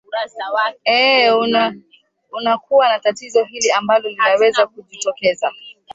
ee unakuwa na tatizo hili ambalo linaweza kujitokeza